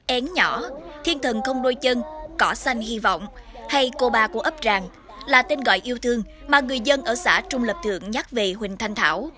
ến nhỏ thiên thần không đôi chân cỏ xanh hy vọng hay cô ba của ấp ràng là tên gọi yêu thương mà người dân ở xã trung lập thượng nhắc về huỳnh thanh thảo